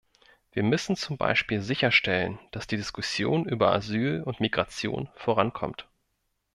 Wir müssen zum Beispiel sicherstellen, dass die Diskussion über Asyl und Migration vorankommt.